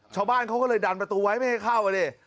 ชาวบ้านเขาก็เลยดันประตูไว้ไม่ให้เข้าอ่ะดิ